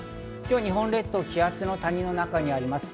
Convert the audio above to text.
日本列島、気圧の谷の中にあります。